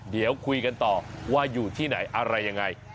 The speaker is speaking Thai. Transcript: เดี๋ยวคุยกันต่อว่าอยู่ที่ไหนอะไรยังไง